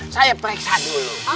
saya periksa dulu